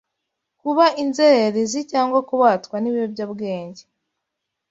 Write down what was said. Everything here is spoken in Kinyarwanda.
kuba inzererezi cyangwa kubatwa n’ibiyobyabwenge